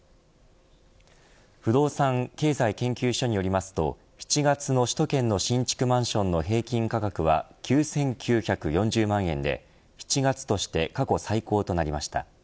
不動産経済研究所によりますと７月の首都圏の新築マンションの平均価格は９９４０万円で７月として過去最高となりました。